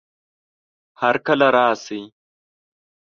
هرکله راشئ!